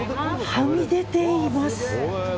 はみ出ています。